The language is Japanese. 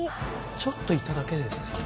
ちょっといただけですよね。